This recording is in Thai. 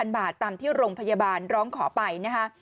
บาทตามที่โรงพยาบาลร้องขอไปนะคะ